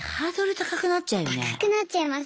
高くなっちゃいます。